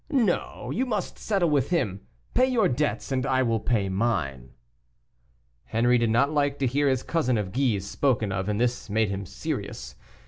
No, you must settle with him; pay your debts, and I will pay mine." Henri did not like to hear his cousin of Guise spoken of, and this made him serious.